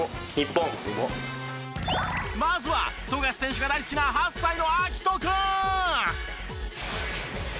まずは富樫選手が大好きな８歳の陽翔君！